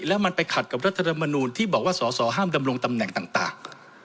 แล้วมันไปขัดกับรัฐธรรมนูลที่บอกว่าสอสอห้ามดำรงตำแหน่งต่าง